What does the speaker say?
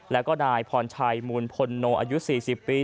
แล้วก็นายพรชัยมูลพลโนอายุ๔๐ปี